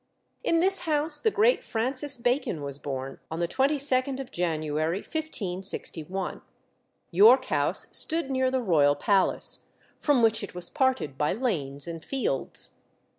In this house the great Francis Bacon was born, on the 22d of January, 1561. York House stood near the royal palace, from which it was parted by lanes and fields.